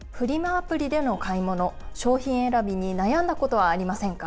アプリでの買い物、商品選びに悩んだことはありませんか？